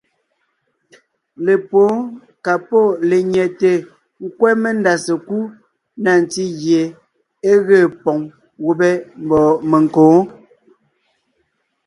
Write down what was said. Lepwóon ka pɔ́ lenyɛte nkwɛ́ mendá sekúd na ntí gie é ge poŋ gubé mbɔ̌ menkǒ.